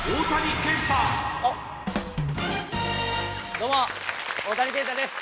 どうも大谷健太です！